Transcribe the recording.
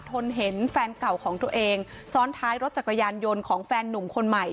ทนเห็นแฟนเก่าของตัวเองซ้อนท้ายรถจักรยานยนต์ของแฟนหนุ่มคนใหม่